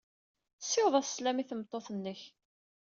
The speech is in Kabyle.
Ssiweḍ-as sslam i tmeṭṭut-nnek.